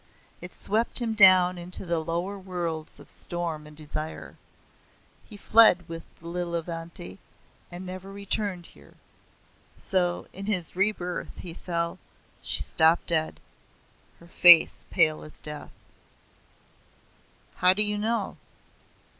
It swept him down into the lower worlds of storm and desire. He fled with Lilavanti and never returned here. So in his rebirth he fell " She stopped dead; her face pale as death. "How do you know?